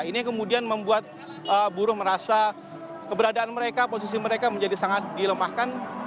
ini kemudian membuat buruh merasa keberadaan mereka posisi mereka menjadi sangat dilemahkan